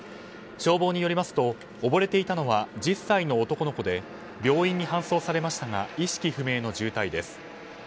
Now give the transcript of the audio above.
消防によりますと溺れていたのは１０歳の男の子で病院に搬送されましたが意識不明の重体です。